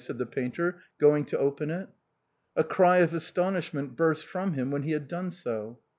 " said the painter, going to open it. A cry of astonishment burst from him when he had done 80.